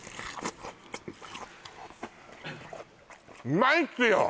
うまいっすよ